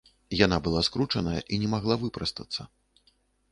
Яна была скурчаная і не магла выпрастацца.